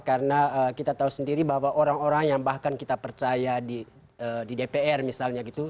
karena kita tahu sendiri bahwa orang orang yang bahkan kita percaya di dpr misalnya gitu